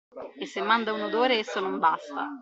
E se manda un odore esso non basta!